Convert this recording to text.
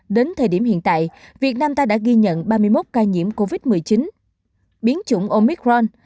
đến thời điểm hiện tại việt nam ta đã ghi nhận ba mươi một ca nhiễm covid một mươi chín biến chủng omicron